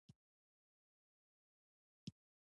تاته چې ګران وي ماته هم ګران وي